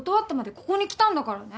ここに来たんだからね。